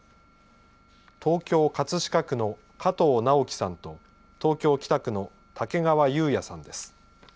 東京・葛飾区の加藤直幹さんと東京・北区の竹川有哉さんです。